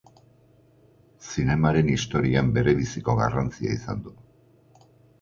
Zinemaren historian berebiziko garrantzia izan du.